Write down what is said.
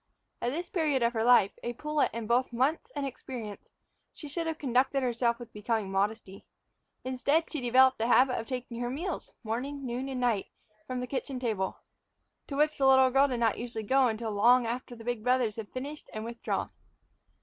At this period of her life, a pullet in both months and experience, she should have conducted herself with becoming modesty. Instead, she developed a habit of taking her meals, morning, noon, and night, from the kitchen table, to which the little girl did not usually go until long after the big brothers had finished and withdrawn.